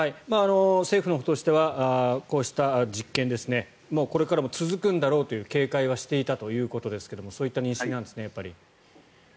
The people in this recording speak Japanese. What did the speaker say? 政府のほうとしてはこうした実験がこれからも続くんだろうという警戒はしていたということですがそういう認識なんですね。